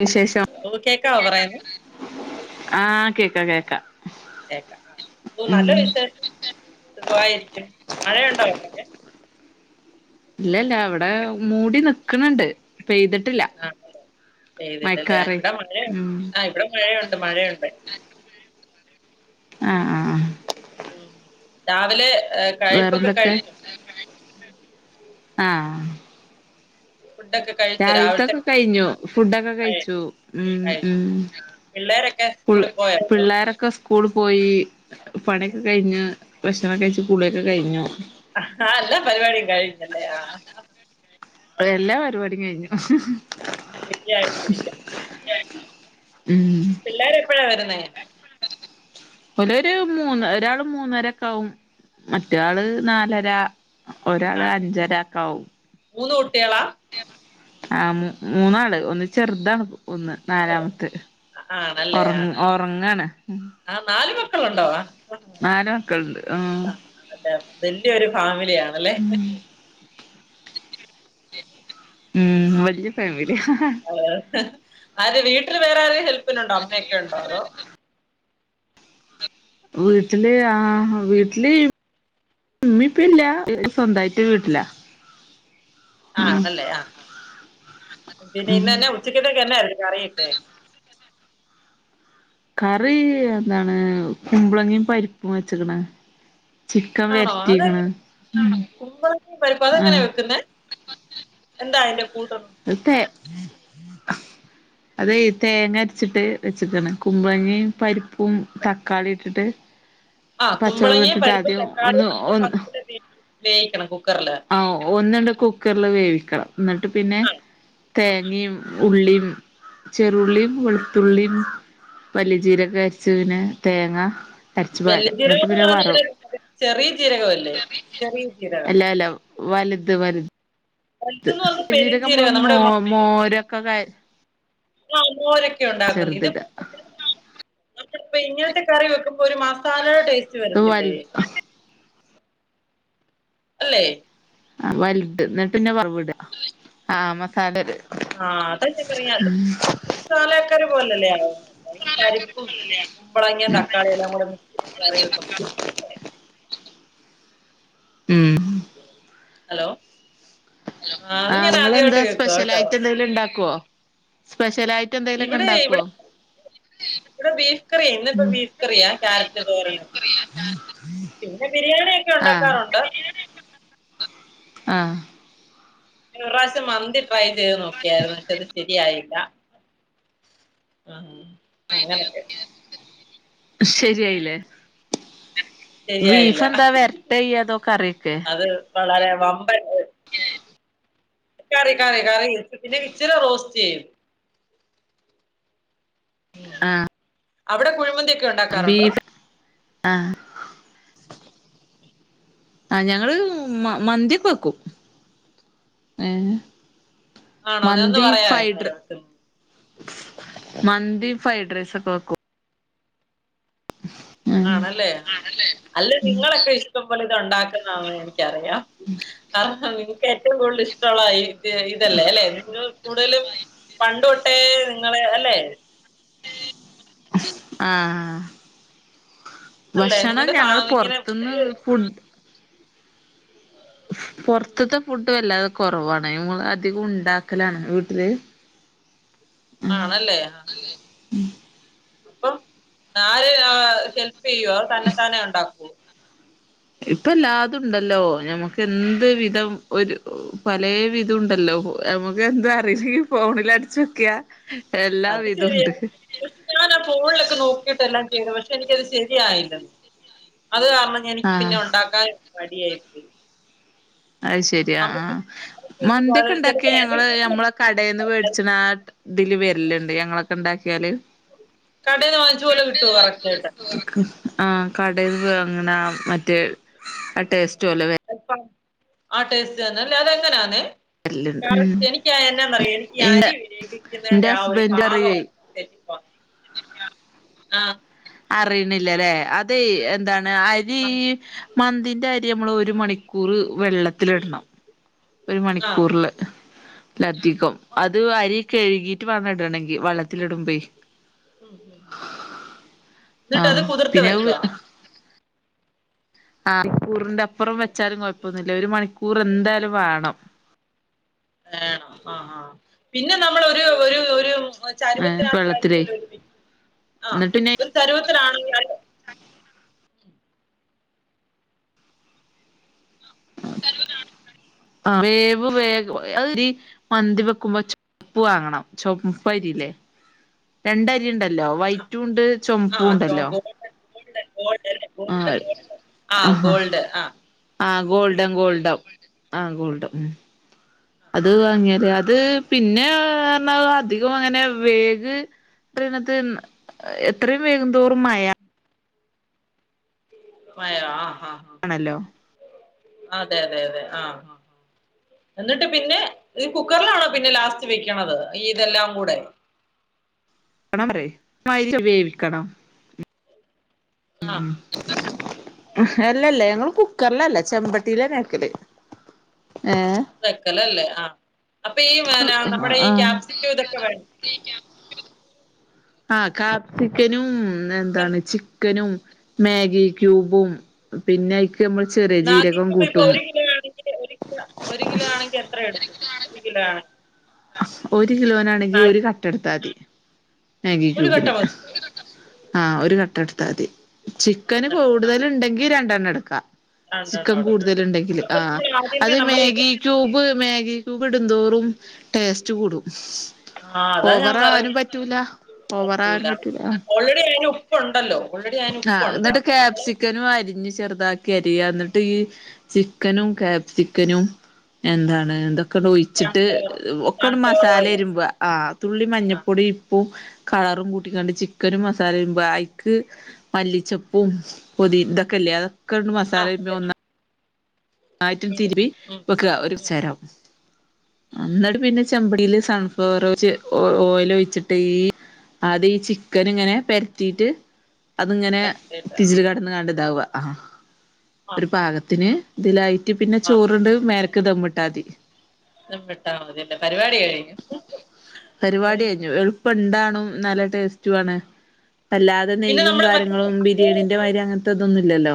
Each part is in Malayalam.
വിശേഷം ഓ കേക്കാവോ പറയുന്നെ ആഹ് കേൾക്കാ കേക്കാ കേക്കാം ഒ ആ നല്ല വിസ ദുബായ് മഴയുണ്ടൊ അവിടേക്കെ ഇല്ലല്ല അവിടെ മൂടി നി നിക്കണുണ്ട് ആണല്ലേ പെയ്തില്ലല്ലേ മയക്കാറ് ഇവിടെ മഴയ ഉം ആ ഇവിടെ മഴയുണ്ട് മഴയുണ്ട് ആഹ് ആഹ് ഉം രാവിലെ ഏ കഴപ്പൊക്കെ വേറെന്തൊക്കെ കഴിഞ്ഞു ആഹ് ഫുഡൊക്കെ കഴിച്ചു രാവിലത്തെ രാവിലത്തൊക്കെ കഴിഞ്ഞു ഫുഡൊക്കെ കഴി- കഴിച്ചു കഴിച്ചു ഉം ആ, പിള്ളേരൊക്കെ സ്കൂളിൽ പോയോ ഇപ്പൊ? പിള്ളോരൊക്കെ കൂള് പോയി പണ്യൊക്കെ ഉം. കഴിഞ്ഞ് ഭക്ഷണൊക്കെ കഴിച്ച് കുളിയൊക്കെ കഴിഞ്ഞു ആ, എല്ലാ പരിപാടിയും കഴിഞ്ഞല്ലേ ആ എല്ലാ പരിപാടിയും കഴിഞ്ഞു [unintelligible] [unintelligible] പിള്ളേർ എപ്പഴാ വരുന്നേ ഓള് ഒരു മൂന്ന് ഒരാള് മൂന്നരക്കെ ആവും മറ്റെ ആള് നാലര ഒരാള് ആ അഞ്ചരക്കാവും മൂന്ന് കുട്ടികളാ ആ മൂന്നാള് ഒന്ന് ചെറുതാണ് ഒന്ന് ഓ, നാലാമത്തെ ആണല്ലേ ഒറ ആ ഒറങ്ങാണ് ആ നാല് മക്കളുണ്ടോ ആ നല് മക്കളുണ്ട് ആഹ് വല്ല്യൊരു ഫാമിലി ആണല്ലേ ഉം വല്ല്യ ഫാമിലി ഹലോ അതെ വീട്ടിൽ വേറെ ആരെ ഹെൽ അപ്പനുണ്ടോ അമ്മയൊക്കെ ഉണ്ടോ അതോ വീട്ടില് ആ വീട്ടില് ഉമ്മിപ്പല്ല സ്വന്തായിട്ട് വീട്ടിലാ ഉം ആണല്ലേ ആ ആ പിന്നെ ഉം ഇന്നന്നെ ഉച്ചക്കത്തേക്കന്നായിരുന്നു കറിയൊക്കെ കറി എന്താണ് കുമ്പ്ളങ്ങും പരിപ്പും വെച്ചക്കണ ആണോ അത കുമ്പള പരിപ്പ് ആ അതെങ്ങനെയാ വെക്കുന്ന എന്താ അന്റെ കൂ ട്ട് അതേ അത് തേങ്ങ അരച്ചിട്ട് ഉം കുമ്പളങ്ങ പരിപ്പും തക്കാളി ഇട്ടിട്ട് ആ കു പച്ചമുളക് മ്പളങ്ങയും ഇട്ടിട്ട് പരിപ്പും ആദ്യം ഒന്ന് തക്കാളിയും കുടി ഒന്ന് ഫസ്റ്റില് വേവി വേയിക്കണം ആ ഒ കുക്കറിൽ വേവിക്കണം എന്നിട്ട് പിന്നെ ആണോ ആ തേങ്ങയും ഉള്ളിയും ചെറുള്ളിയും വെളുത്തുള്ളിയും വലിയ ജീരൊക്കെ അരച്ചു പിന്നെ തേങ്ങ അരച്ച് പാരാ വല്ലിയജീരക എന്നിട്ട് പിന്നെ വറവ് [unintelligible] ചെറിയ ചീരകല്ലേ ചെറിയ ചീരകം വലുത് വലു വലുതെന്ന് പറഞ്ഞാൽ പെരും രകം നമ്മള് ജീരകം മോ മോരൊക്കെ കാ ആ മോരൊക്കെ ഉണ്ടാക്കുന്നു ഇത് ചെറുതിടാ [inaudible] അപ്പപ്പ ഇങ്ങനത്തെ കറി വെക്ക് ഒരു മസാലയുടെ ടേസ്റ്റ് ഇത് വൽ വരത്തില്ലേ അല്ലേ ആ വല്ട് എന്നട്ട് പിന്നെ [unintelligible] ആഹ് മസാലേല് ആഹ് അതന്നെ പറയാല്ലെ ചാലക്കറി പോലല്ലേ അത് പരിപ്പും മ്പളങ്ങേ തക്കാളിയെല്ലാം കൂടെ മിക്സ് ചെയ്ത് കറി വെക്കും ഉം ഹലോ അത് ഞാൻ ആഹ് ആദ്യമായിട്ട് ങ്ങളെന്താ കേൾക്കുവാ കേട്ടോ സ്പെഷ്യലായിട്ടെന്തെലും ഇണ്ടാക്കോ? സ്പെഷ് ഷ്യലായിട്ടെന്തെലൊക്കെ ഇവിടെ ഇണ്ടാക്കോ ഇവിടെ ഇവിടെ ബീഫ് കറിയാ ഇന്നിപ്പോ ഉം ബീഫ് കറിയാ ക്യാരറ്റ് തോരനും പിന്നെ ബിരിയാണി ഒക്കെ ഉണ്ടാക്കാറുണ്ട് ആഹ് ആഹ് ഏറാശം മന്തിട്ട് ട്രൈ ചെയ്ത് നോക്കിയാരുന്ന് ക്ഷെ അത് ശരിയായി [unintelligible] [inaudible] ശെരിയായിലെ ശരിയായില്ല ബീഫെന്താ വെരട്ടയ്യ അതോ കറിയെക്കെ അത് വളരെ വമ്പൻ കറി കറി കറി പിന്നെ വിച്ചരെ റോസ്റ്റെയ്യും ഉം ആഹ് അവിടെ കുഴുമന്തീക് ബീഫ് ആഹ് ആഹ് ഞങ്ങള് മ മന്തിക്കെ വെക്കും. ഏഹ് ആണോ നിന്ന് പറയാ [unintelligible] മന്തി ഫൈഡ്രൈസ് ഒക്ക വെക്കും ആണല്ലേ ആഹ് അല്ലേ നിങ്ങളക്കെ ഇഷ്ടം പൊലെ ഇതൊണ്ടാക്കുന്നാവേ ക്കറിയാം കറ ഹാ നിങ്ങക്ക് ഏറ്റവും കൂടുൽ ഇഷ്ടൊള്ളതാ ഇ ഇതല്ലേ അല്ലെ നിങ്ങൾ കൂടുതലും പണ്ട് തൊട്ടേ നിങ്ങളെ അല്ലെ ആ ആ അല്ലെ ഭഷണം നിങ്ങളുടെ ഫാ ഞങ്ങള് ഇങ്ങനെ പൊറത്ത്ന്ന് ഒരു ഫുൾ ഉം പൊർത്ത്ത്തെ ഫുഡ് വെല്ലാതെ കുറവാണ് അധികണ്ടാക്കലാണ് ആ നല്ലെയാ പ്പം നാര് ആ ഹെൽപ് ചെയ്യുവേ തന്നെ താന്നെ ഉണ്ടാക്കോ ഇപ്പല്ലാതും ഉണ്ടല്ലോ ഞമ്മക്ക് എന്ത് വിധം ഒരു പലേവിദുണ്ടല്ലോ നമ്മക്ക് എന്ത് അറിയില്ലെങ്കി ഫോണിൽ അടിച്ച് നോകിയാ അത് ശെരിയാ പക്ഷെ ഞാൻ ആ ഫോണിലൊക്കെ നോക്കിട്ടെല്ലാ ചെയ്തേ പക്ഷെ എനിക്കത് ശെരിയായില അത് കാരണം ഞാ എനിക്ക് പിന്നെ ആഹ് ഉണ്ടാക്കാൻ മടി ആയി പോയി അത് ശെരി അ ആ നമുക്ക് ഉണ്ടാക്കി വെച്ചിട്ട് അത് മന്തിയൊക്കെണ്ടാക്കിയ ചിലപ്പോ ഞങ്ങള് ഞമ്മളെ കടേന്ന് അത് വേടിച്ച്ണ ആ ഇതില് വര്ല്ണ്ട് ഞങ്ങളൊക്കെ ഇണ്ടാക്കി ക്കിയാല് കടേന്ന് വാങ്ങിച്ച പോലെ കിട്ടുവോ കറക്റ്റായിട്ട് ആ കടേന്ന് വാങ്ങ്ണാ മറ്റേ ആ ടേസ് ചെൽപ്പം ആ ടേസ്റ്റ് തന്നെഅല്ലേ അതെങ്ങനാന്നെ വരലുണ്ട് കറക്റ്റ് എനിക്ക് എന്നാന്നറിയോ എനിക്ക് ഇന്റെ അരി ഇന്റെ വേവിക്കുന്നതിന്റെ ആ ഒരു ഹസ്ബൻഡ് പറയേ പാകമാണ് തെറ്റിപ്പോണ് ആ അറിയ്ണ്ല്ലല്ലേ അത് എന്താ ണ് അ ആ മന്തിൻ അരി നമ്മൾ ഒര് മണിക്കൂറ് വെള്ളത്തിലിടണം ഒര് ആ, മണിക്കൂർല് ഉം, ലതികം അത് വ കഴുകീട്ട് വേണം ഇടണെങ്കിൽ വള്ളത്തിലിടുമ്പേ ന്നിട്ടത് ആഹ് കുതിർത്ത്‌ പിന്നെ വെക്ക അത് ആ ക്കൂറിന്റെ അപ്പുറം വെച്ചാലും കുഴപ്പമെന്നുല്ലഒരു മണിക്കൂർ എന്തായാലും വേണം വേണം ആ ആ പിന്നെ നമ്മൾ ഒരു ഒരു ഒര് ഏ വെള്ളത്തിലേ ചരുവത്തിനായിട്ടായിരിക്കുമല്ലോ ഒരു വ്യക്തി ആ എന്നിട്ട് പിന്നെ ഒരു ചരുവത്തിലാണല്ലോ വേവ് വേ മന്തി വെക്കുമ്പോ ചുവപ്പ് വാങ്ങണം ചുവപ്പരില്ലേ രണ്ടരി ഉണ്ടല്ലോ വൈറ്റും ഉണ്ട് ചുമപ്പും ഉണ്ടല്ലോ ഉണ്ട് ആഹ് ആഹ്ഹ ഗോൾഡ് ആഹ് ആഹ് ഗോൾഡം ഗോൾഡം ആഹ് ഗോൾഡം അത് വാങ്ങിയാല് അത് പിന്നെ അഅ് പറഞാൽഅധികം അങ്ങനെ വേവ് റിണത്എത്രയും വേവുന്തോറും മയാ മയോ ആഹ് ആഹ് ആഹ് ആണല്ലോ അതെ അതെ അതെ ആഹ് എന്നിട്ട് പിന്നെ ഈ കുക്കറിലാണോ പിന്നെ ലാസ്റ്റ് വെക്കണത് ഈ ഇതെല്ലാം കൂടെ [unintelligible] വേവിക്കണം ആഹ് ഉം അല്ലല്ലേ ഞങ്ങള്ൾ കുക്കറിലല്ല ചെമ്പട്ടിയില വെക്കല് ഏഹ് വെക്കലല്ലേ ആഹ് അപ്പൊ ഈ നമ്മുടെ ഈ ആഹ് കാക്യാപ്സക്യൂ ഇതൊക്കെ വേണം ആഹ് കാപ്സിക്കനും ചിക്കൻ പിന്നെന്താണ് ചിക് ചിക്കനും, മാഗി ക്യൂബും പിന്നയ് നാഗിക്ക് പേക്ക് ഒരു കിലോ ആണെങ്കില് ഒരു കില ഒരു കിലോ ആണെങ്കി എത്ര എടുക്കും ഒര് കിലാണ് ഒരു കിലോനാണെങ്കി ഒരു കട്ടട്ത്താതി മാഗി ഒരു കട്ട ക്യൂബിന്. മതി ആഹ് ഒരു കട്ടട് അതെ ആ ചിക്കന് നല്ല ആ കൂടുതല്ണ്ടെങ്കി രണ്ടെണ്ണം ട്ക്ക ചിക്കൻ രണ്ടെണ്ണം എടുക്കുക കൂടുതല്ണ്ടെങ്കില് അപ്പൊ ആഹ് നമ്മൾ ആദ്യമേ അത് നമ്മുടെ ഇത് മാഗി ക്യൂബ് മാഗി ക്യൂബ് ഇട്ന്തോറും ടേസ്റ്റ് കൂടും. ആ അതാ ഞാൻ ഓവറാവാനും പറഞ്ഞെ പറ്റൂല. ഓവറാനും പറ്റുല അയ്നുപ്പ്ണ്ടല്ലോ ആഹ് ന്നട്ട് കാപ്സിക്കനും അരിഞ്ഞ് ചെർ താക്കി അരിയാ ന്നട്ട് ഈ ചിക്കനും കാപ്സിക്കനും എന്താണ് ഇതൊക്കണ്ട് ഒഴിച്ചിട്ട് സൺഫ്ലവർ ഒക്കെണ്ട് സൺഫ്ലവർ ഓയില് മസാലരുമ്പ ആഹ് തുള്ളി ആ മഞ്ഞപ്പൊടി ഇപ്പും കളറും കൂട്ടിക്കാണ്ട് ചിക്കനും മസാലയും ബായ്ക്ക് മല്ലിച്ചപ്പും പുതി ഉം. ഇന്തക്കല്ലതൊക്ക ആ മസാല അതെ ഒന്ന ആറ്റിൽ ചെയ്തു തിരുപ്പി ഉം വെക്കുക ഉം ഒരുച്ചരം ഉം എന്നിട്ട് പിന്നെ ചെമ്പടിയില് സൺഫ്ലവർ ഓയിൽ ഒഴിച്ചിട്ട് ഈ അത് ഈ ചിക്കൻ ഇങ്ങനെ പര്ത്തീട്ട് അത്ങ്ങനെ തട്ടിയിട്ട് തിജിൽകാട്ന്ന് കണ്ട് ദാവ ആ ആ ഒരു ആ ആ പാകത്തിന് ഇതിലായിട്ട് പിന്നെ ആ ചോറിട് മ ഇറക്ക് ദമ്മട്ടാതി എട്ടാമതില്ലെ പരിപാടി കഴഞ്ഞു പെണ്ടണും നല്ല ടേസ്റ്റു ആണ് അല്ലാതെ പിന്നെ നെയ്യും നമ്മള് മറ്റേ കാര്യങ്ങളും ചാർക്കോൾ ബിരിയാണിന്റെ വെച്ച് മാരി അങ്ങനത്തെ ഇതൊന്നു ല്ലല്ലോ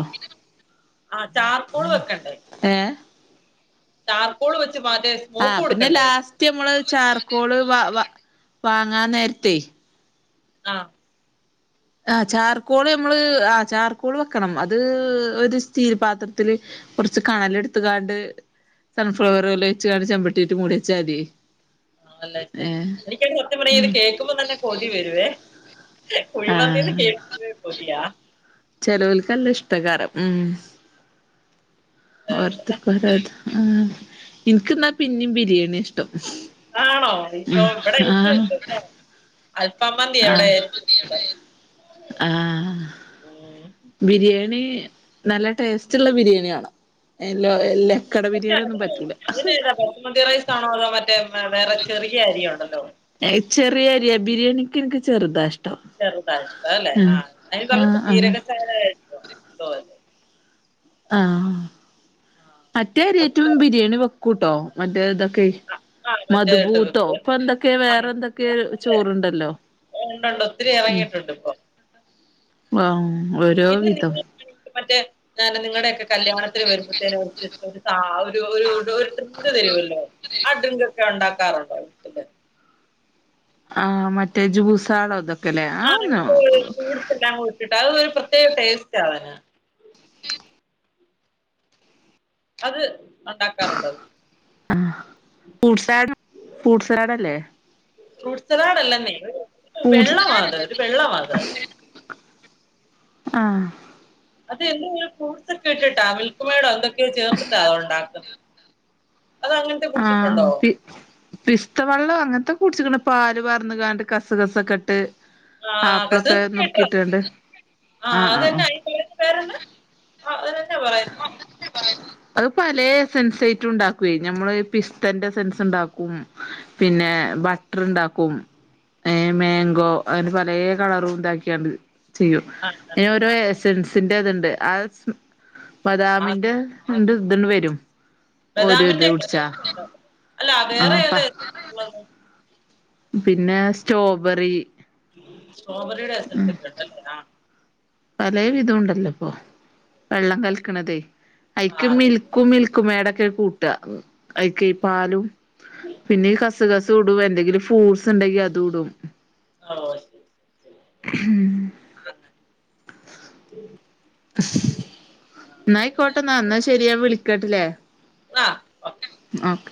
ആ ചാർ കോൾ വെക്കണ്ടേ? ഏ ചാർകോൾ [inaudible] ആ പിന്നെ ലാസ്റ്റ് നമ്മള് ചാർക്കോള് വ വാങ്ങാ നേരത്തെ, ആ ആ ചാർക്കോള് നമ്മള് ആ ചാർക്കോള് വെക്കണം. അത് ഒരു സ്റ്റീൽ പാത്രത്തില് കുറച്ച് കണല് എട്ത്ത് കാണ്ട് സൺഫ്ലവർല്ലാം വെച്ച്ക്കാണ്ട് ചെമ്പട്ടിയേറ്റ് മൂടിച്ചാതി. അല്ലെച്ച എനിക്കത് സത്യം പറഞ്ഞ ഇത് കേക്ക്മ്പോ തന്നെ കൊതി വരുവേ. ആ കുഴിമന്തീന്ന് കേൾക്കുമ്പഴേ കൊതിയാ ചെലോൽക്ക് നല്ല ഇഷ്ട്ടേക്കാരം. ഉം. ഏഹ് ഓരോരുത്തർക് ഓരോ താ ആ ഇൻക് ന്നാ പിന്നീം ബിരിയാണ്യ ഇഷ്ടം. ആണോ ഇ ഇവിടെ [unintelligible] മന്തിയാ ഇവിടെ ആഹ് ഏറ്റവും ഇഷ്ടം ആഹ് ഉം ബിരിയാണി, നല്ല ടേസ്റ്റ്ള്ള ബിരിയാണിയാണം. [unintelligible] പറ്റൂല അതേതാ ബസ്മതി റൈസാണോ അതോ മറ്റേ വേറെ ചെറിയ അരിയുണ്ടെല്ലോ. ചെറിയരിയ ബിരിയാണിക്ക് എനിക്ക് ചെറുതാഷ് ചെറുതാ ഇഷ്ടം അല്ലെ അഹ് അതിനേക്കാളും ആഹ് ആഹ് ജീരകശാല ആഹ് ആഹ് മറ്റേ അരിഏറ്റും അതിന്റെ ബിരേണി വെ ട്ടോ മറ്റേതെ ആഹ് മറ്റേ ഇട്ട് മദ്ബൂത്തോ വെക്കും അല്ലേ ഇപ്പൊന്തൊക്കെ, ആഹ് വേറെന്തൊക്കെ അതെ ചോറ്ണ്ടല്ലോ ഉണ്ടുണ്ട് ഒത്തിരി ഉം ഇറങ്ങിയിട്ടുണ്ട് ഇപ്പൊ ആഹ് ഓരോ വിധം [unintelligible] ഞ നിങ്ങടെയൊക്കെ കല്യാണത്തിന് വരുമ്പത്തേന് [unintelligible] ആ ഒരു ഡ്രിങ്ക് തരുവല്ലോ ആ ഡ്രിങ്ക് ക്കെ ഉണ്ടാക്കാറുണ്ടോ വീട്ടില് ആഹ്, മറ്റേ ജൂസാളോ ദ ആഹ് എന്റെ [unintelligible] അത് ഒരു പ്രത്യേക ടേസ്റ്റാണ്. അത് ഉണ്ടാക്കാറുണ്ട് ഫ്രൂട്ട് സാലഡ് ഫ്രൂട്ട് സാലഡല്ലേ ഫ്രൂട്ട് സലാഡല്ലെന്നെ ഒരു ഫ്രൂട്ട്സ് വെള്ളാവാത് ഒരു വെള്ളവാത് ആഹ് അത് എന്തെ കൂസ് ഒക്കെ ഇട്ടിട്ടാ മിൽക് മേഡോ എന്തൊക് ഒ ചേർത്തിട്ടാ അ ഒണ്ടാക്കുന്നെ ആഹ പി പിസ്തവെള്ളം അങ്ങനത്തെ കുടിച്ചിക്കിണ പാല് വറന്നു കണ്ട് കസ കസൊക്കെ ഇട്ട് ആഹ കത് ആപ്പിളൊക്കെ കേട്ട നുറുക്കിയിട്ടാണ്ട് ആഹ ആഹ് ആഹ് ആഹ് അതന്നെയി അയി അയിന്റെ പേരന്ന ആഹ അത് തന്നാ പറയന്ന് അത് പല എസെൻസായിട്ടും ഉണ്ടാക്കുവേ ഞമ്മള് പിസ്തന്റെ എസെൻസ് ഇണ്ടാക്കും ആ പിന്നെ ബട്ടർ ഇണ്ടാക്കും ഏ മേങ്കോ അങ്ങനെ പലേ കളറും ഇണ്ടാക്കിയാണ് ചെയ്യൂ എ ആണല്ലേ ഓരോ എസൻസ് തിന്റെ അതിണ്ട് ആ [unintelligible] ആ ബദാമിന്റെ എന്ത് ഇതുണ്ട് വരും ഓരോ ഇത് ബദാമിന്റെ ഒക്കെ കുടിച്ചാ എസൻസ്ണ്ടോ അല്ല വേറെ ആഹ് ഏതാ പ്പ എസൻസിള്ളത് പിന്നെ സ്റ്റോബെറി ഉ സോബറിയുടെ എസൻസ് എക്കെ എണ്ടല്ലേ ആ പലേ വിധം ഉണ്ടല്ലോ ഇപ്പൊ വെള്ളം അല്ലേ കലിക്കണതേ അയിക്ക് ആ അതെ മിൽക്കും മിൽക്കും മേടക്കൊ ദേ കൂട്ടാ ഐക്കെ ഈ പാലും പിന്നെ കസ് കസും ഇടും [unintelligible] എന്തെങ്കിലും ഫ്രൂസ് എണ്ടെങ്കിൽ അതുഇടും ആ ശരി ശ ശരി ഉ എന്നായിക്കോട്ടെ ആ എന്നാ എന്നാ ശരിയാൻ വിളിക് കെട്ടില്ലേ ആ ആ ഓക്കെ